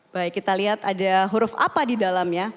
baik kita lihat ada huruf apa di dalamnya